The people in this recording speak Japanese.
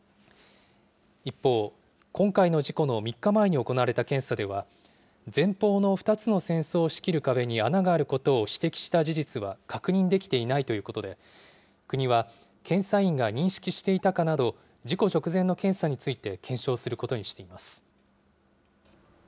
一方、今回の事故の３日前に行われた検査では、前方の２つの船倉を仕切る壁に穴があることを指摘した事実は確認できていないということで、国は、検査員が認識していたかなど、事故直前の検査について検証することにしています。